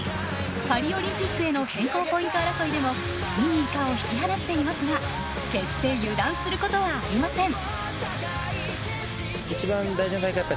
パリオリンピックへの選考ポイント争いでも２位以下を引き離していますが決して油断することはありません。